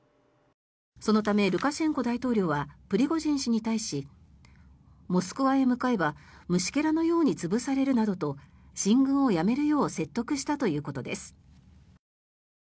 そのためルカシェンコ大統領はプリゴジン氏に対しモスクワへ向かえば虫けらのように潰されるなどと進軍をやめるよう説得したということです。